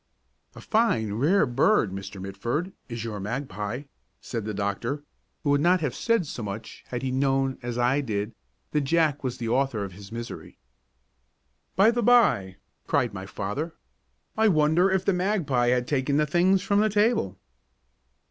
"A fine, rare bird, Mr. Mitford, is your magpie," said the doctor, who would not have said so much had he known, as I did, that Jack was the author of his misery. "By the by," cried my father, "I wonder if the magpie has taken the things from the table!"